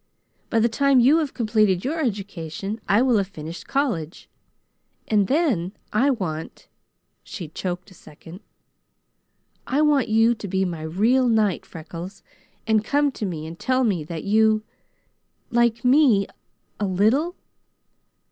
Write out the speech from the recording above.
By the time you have completed your education I will have finished college, and then I want," she choked a second, "I want you to be my real knight, Freckles, and come to me and tell me that you like me a little.